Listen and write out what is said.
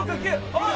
あっ！